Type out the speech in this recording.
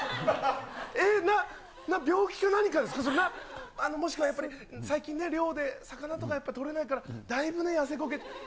えっ、なっ、病気か何かですか、なっ、もしくは何か、最近ね、漁で魚とか取れないから、だいぶ痩せこけて。